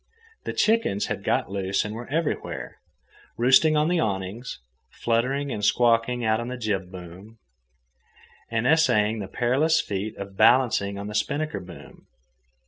The chickens had got loose and were everywhere, roosting on the awnings, fluttering and squawking out on the jib boom, and essaying the perilous feat of balancing on the spinnaker boom.